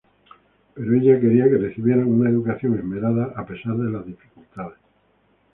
Pero ella quería que recibieran una educación esmerada, a pesar de las dificultades.